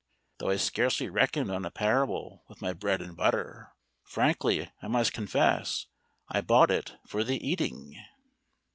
Though I scarcely reckoned on a parable with my bread and butter. Frankly, I must confess I bought it for the eating."